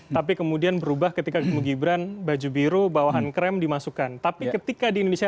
tapi kemudian berubah ketika gibran baju biru bawahan krem dimasukkan tapi ketika di indonesia